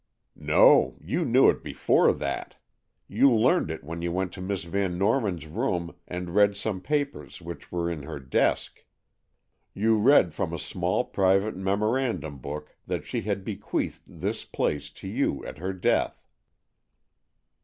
"No; you knew it before that. You learned it when you went to Miss Van Norman's room and read some papers which were in her desk. You read from a small private memorandum book that she had bequeathed this place to you at her death."